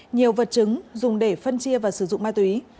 nhiều vật chứng dùng để phân chia và sử dụng ma túy